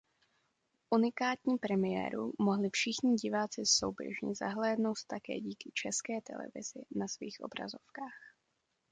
Unikátní premiéru mohli všichni diváci souběžně zhlédnout také díky České televizi na svých obrazovkách.